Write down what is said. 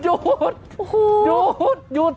จัดกระบวนพร้อมกัน